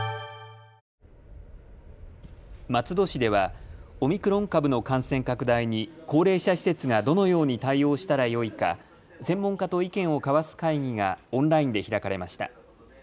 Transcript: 松戸市ではオミクロン株の感染拡大に、高齢者施設がどのように対応したらよいか専門家と意見を交わす会議がオンラインで開かれました。